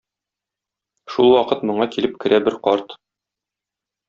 Шулвакыт моңа килеп керә бер карт.